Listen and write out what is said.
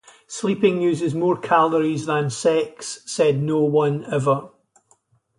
Sleeping uses more calories than sex, said no one ever.